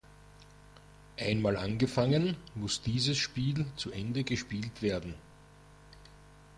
Einmal angefangen, muss dieses Spiel zu Ende gespielt werden.